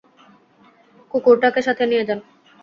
কুকুরটাকে সাথে নিয়ে যান।